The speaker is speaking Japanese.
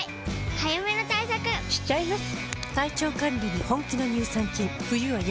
早めの対策しちゃいます。